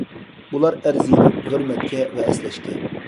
بۇلار ئەرزىيدۇ ھۆرمەتكە ۋە ئەسلەشكە.